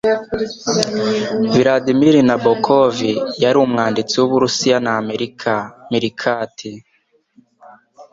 Vladimir Nabokov yari umwanditsi w’Uburusiya n’Amerika. (meerkat)